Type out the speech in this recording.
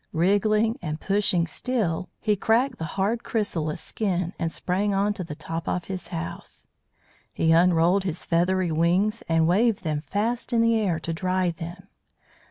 Wriggling and pushing still, he cracked the hard chrysalis skin and sprang on to the top of his house. He unrolled his feathery wings and waved them fast in the air to dry them.